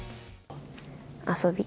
遊び。